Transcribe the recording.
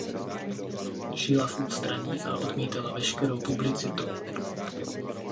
Žila v ústraní a odmítala veškerou publicitu.